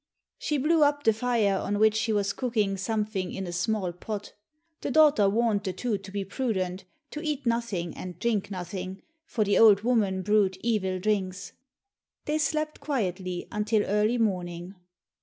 She blew up the fire on which she was cooking something in a small pot. The daughter warned the two to be prudent, to eat nothing, and drink nothing, for the old woman brewed evil drinks. They slept quietly until early morning.